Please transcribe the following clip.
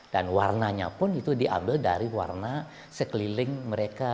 warnanya pun itu diambil dari warna sekeliling mereka